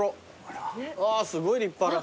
あすごい立派な。